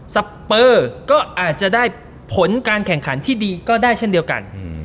เปอร์ก็อาจจะได้ผลการแข่งขันที่ดีก็ได้เช่นเดียวกัน